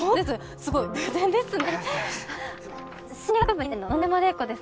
すごい偶然ですね。